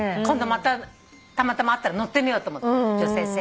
今度またたまたまあったら乗ってみようと思って。